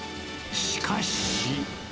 しかし。